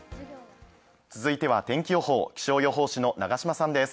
続いては天気予報、気象予報士の長島さんです。